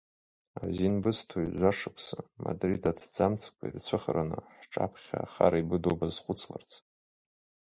Азин бысҭоит жәа-шықәса, Мадрид аҭӡамцқәа ирцәыхараны, ҳҿаԥхьа ахара ибыду базхәцларц.